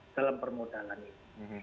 dalam permodalan itu